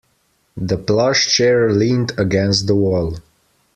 The plush chair leaned against the wall.